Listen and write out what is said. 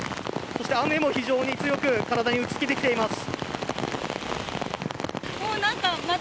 そして雨も非常に強く体に打ちつけています。